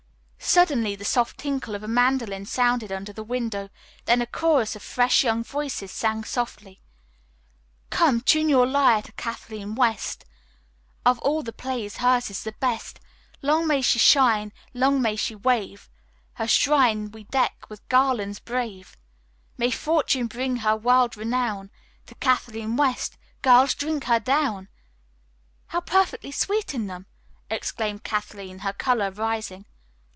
Suddenly the soft tinkle of a mandolin sounded under the window, then a chorus of fresh young voices sang softly: "Come, tune your lyre to Kathleen West, Of all the plays hers is the best; Long may she shine, long may she wave, Her shrine we deck with garlands brave; May Fortune bring her world renown To Kathleen West, girls, drink her down." "How perfectly sweet in them!" exclaimed Kathleen, her color rising.